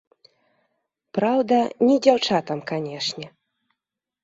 Праўда, не дзяўчатам, канечне.